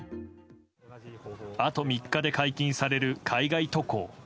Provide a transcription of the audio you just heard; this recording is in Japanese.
あと３日で解禁される海外渡航。